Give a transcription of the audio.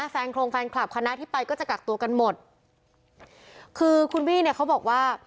โครงแฟนคลับคณะที่ไปก็จะกักตัวกันหมดคือคุณบี้เนี่ยเขาบอกว่า